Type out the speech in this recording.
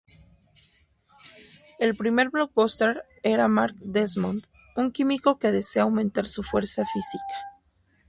El primer Blockbuster era Mark Desmond, un químico que desea aumentar su fuerza física.